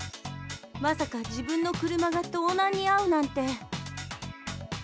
まさか自分の車が盗難に遭うなんて。